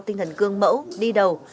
tinh thần cương mẫu đi đầu